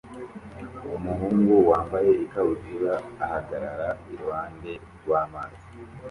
Umuhungu wambaye ikabutura ahagarara iruhande rw'amazi